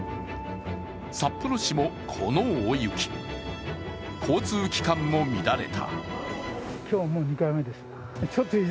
札幌市もこの大雪、交通機関も乱れた。